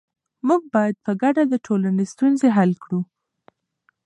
موږ باید په ګډه د ټولنې ستونزې حل کړو.